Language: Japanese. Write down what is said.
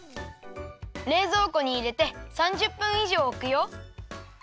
れいぞうこにいれて３０分いじょうおくよ。